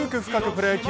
プロ野球」。